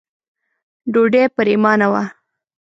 ډوډۍ پرېمانه وه.